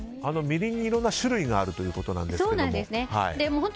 みりんにいろんな種類があるということなんですが。